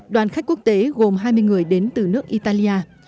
đoàn khách quốc tế gồm hai mươi người đến từ nước italia